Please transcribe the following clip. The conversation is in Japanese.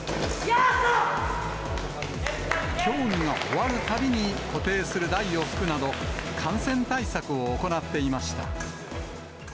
競技が終わるたびに、固定する台を拭くなど、感染対策を行っていました。